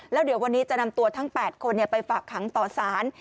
แล้วเดี๋ยววันนี้จะนำตัวทั้ง๘คนไปฝากขังต่อสาร